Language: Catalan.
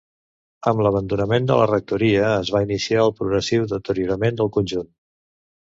Amb l'abandonament de la rectoria es va iniciar el progressiu deteriorament del conjunt.